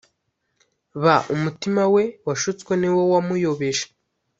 B umutima we washutswe ni wo wamuyobeje